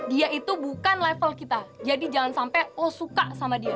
dia itu bukan level kita jadi jangan sampai lo suka sama dia